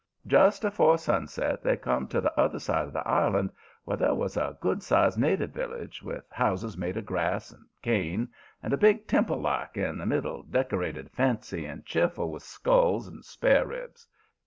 Just afore sunset they come to the other side of the island, where there was a good sized native village, with houses made of grass and cane, and a big temple like in the middle, decorated fancy and cheerful with skulls and spareribs.